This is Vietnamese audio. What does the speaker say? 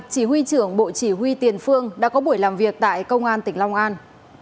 chỉ huy trưởng bộ chỉ huy tiền phương đã có buổi làm việc tại công an tỉnh long an